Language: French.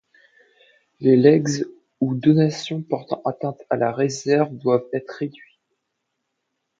Les legs ou donations portant atteinte à la réserve doivent être réduits.